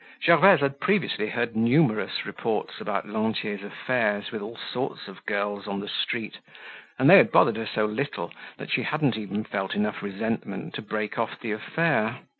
Gervaise had previously heard numerous reports about Lantier's affairs with all sorts of girls on the street and they had bothered her so little that she hadn't even felt enough resentment to break off the affair.